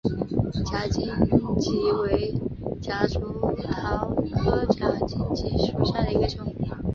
假金桔为夹竹桃科假金桔属下的一个种。